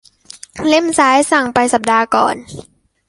เล่มซ้ายสั่งไปสัปดาห์ก่อน